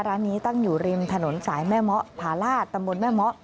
ร้านนี้ตั้งอยู่ริมถนนสายแม่เมาะผาลาศตำบลแม่เมาะ